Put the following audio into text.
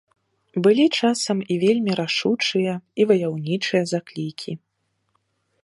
Былі часам і вельмі рашучыя і ваяўнічыя заклікі.